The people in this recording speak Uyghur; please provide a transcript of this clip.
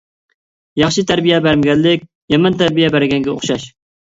ياخشى تەربىيە بەرمىگەنلىك، يامان تەربىيە بەرگەنگە ئوخشاش.